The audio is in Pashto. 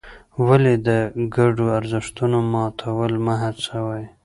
ولې د ګډو ارزښتونو ماتول مه هڅوې؟